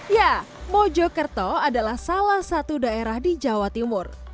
ya mojokerto adalah salah satu daerah di jawa timur